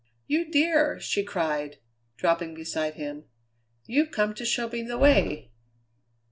"You dear!" she cried, dropping beside him; "You've come to show me the way.